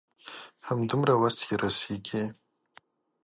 همدومره وس يې رسيږي.